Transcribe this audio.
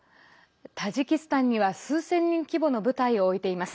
タジキスタンには数千人規模の部隊を置いています。